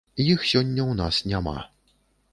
Іх сёння ў нас няма.